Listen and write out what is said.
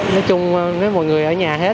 nói chung nếu mọi người ở nhà hết